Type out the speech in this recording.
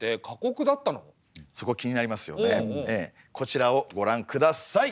こちらをご覧ください！